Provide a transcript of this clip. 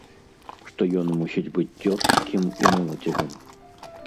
Што ён мусіць быць дзёрзкім і моладзевым.